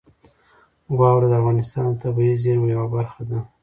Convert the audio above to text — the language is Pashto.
واوره د افغانستان د طبیعي زیرمو یوه برخه ده.